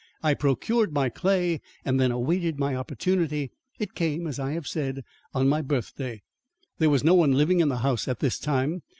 I procured my clay and then awaited my opportunity. It came, as I have said, on my birthday. There was no one living in the house at this time.